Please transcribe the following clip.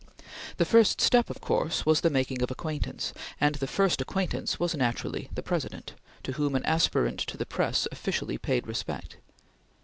The first step, of course, was the making of acquaintance, and the first acquaintance was naturally the President, to whom an aspirant to the press officially paid respect.